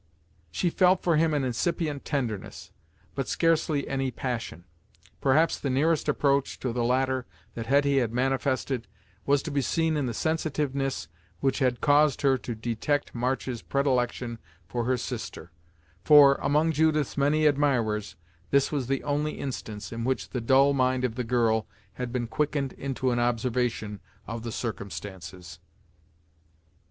She felt for him an incipient tenderness, but scarcely any passion. Perhaps the nearest approach to the latter that Hetty had manifested was to be seen in the sensitiveness which had caused her to detect March's predilection for her sister, for, among Judith's many admirers, this was the only instance in which the dull mind of the girl had been quickened into an observation of the circumstances.